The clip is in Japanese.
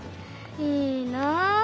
いいなあ。